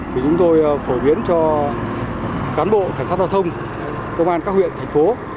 thì chúng tôi phổ biến cho cán bộ cảnh sát giao thông công an các huyện thành phố